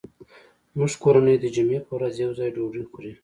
زموږ کورنۍ د جمعې په ورځ یو ځای ډوډۍ خوري